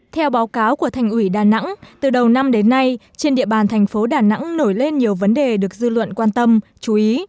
theo báo cáo của thành ủy đà nẵng từ đầu năm đến nay trên địa bàn thành phố đà nẵng nổi lên nhiều vấn đề được dư luận quan tâm chú ý